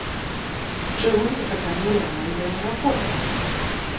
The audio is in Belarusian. Чыгунку працягнулі амаль да аэрапорта.